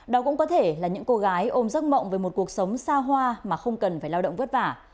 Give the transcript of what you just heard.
đó cũng có thể là những cô gái ôm giấc mộng về một cuộc sống xa hoa mà không cần phải lao động vất vả